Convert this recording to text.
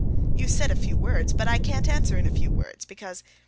"You said a few words, but I can't answer in a few words, because....